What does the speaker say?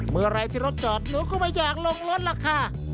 เมื่อไหร่ที่รถจอดหนูก็ไม่อยากลงรถล่ะค่ะ